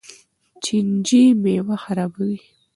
چینجي میوه خرابوي.